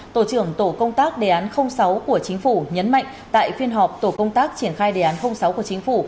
tổ trưởng tổ công tác đề án sáu của chính phủ nhấn mạnh tại phiên họp tổ công tác triển khai đề án sáu của chính phủ